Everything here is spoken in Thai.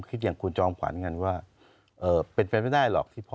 คิดอย่างคุณจอมขวัญกันว่าเป็นไปไม่ได้หรอกที่พ่อ